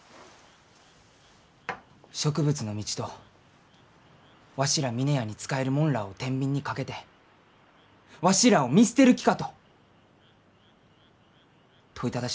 植物の道とわしら峰屋に仕える者らあをてんびんにかけて「わしらあを見捨てる気か？」と問いただしました。